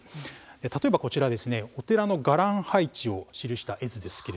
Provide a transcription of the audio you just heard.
例えばこちらお寺の伽藍配置を示した絵図です。